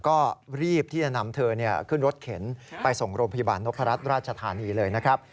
ก็รีบที่จะนำเธอขึ้นรถเข็นไปส่งโรงพยาบาลนพรัชราชธานีเลยนะครับ